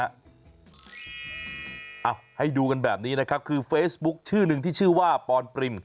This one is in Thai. เอาให้ดูกันแบบนี้นะครับคือเฟซบุ๊คชื่อหนึ่งที่ชื่อว่าปอนปริม